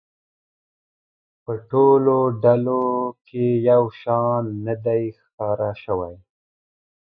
په ټولو ډلو کې یو شان نه دی ښکاره شوی.